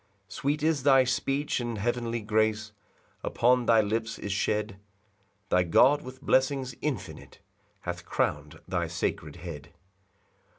2 Sweet is thy speech and heavenly grace Upon thy lips is shed; Thy God, with blessings infinite, Hath crown'd thy sacred head.